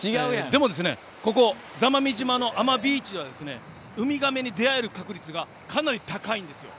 でもここ座間味島の阿真ビーチはウミガメに出会える確率がかなり高いんですよ。